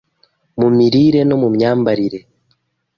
mu mirire no mu myambarire